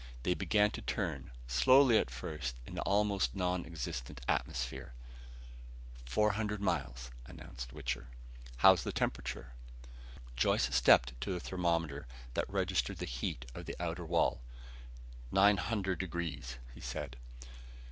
They began to turn, slowly at first in the almost non existent atmosphere. "Four hundred miles," announced Wichter. "How's the temperature?" Joyce stepped to the thermometer that registered the heat of the outer wall. "Nine hundred degrees," he said.